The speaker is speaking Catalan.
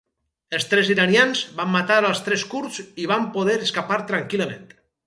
Els tres iranians van matar als tres kurds i van poder escapar tranquil·lament.